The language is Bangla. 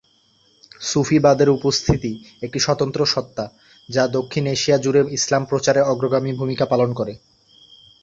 সুফিবাদের উপস্থিতি একটি স্বতন্ত্র সত্ত্বা যা দক্ষিণ এশিয়া জুড়ে ইসলামের প্রচারে অগ্রগামী ভূমিকা পালন করে।